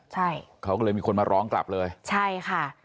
ใช่เขาก็เลยมีคนมาร้องกลับเลยใช่ค่ะ